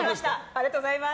ありがとうございます。